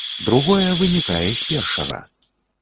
Другое вынікае з першага.